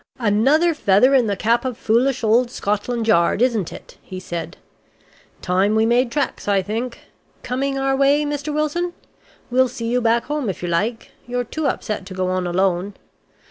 "Another feather in the cap of foolish old Scotland Yard, isn't it?" he said. "Time we made tracks I think. Coming our way, Mr. Wilson? We'll see you back home if you like. You're too upset to go on alone.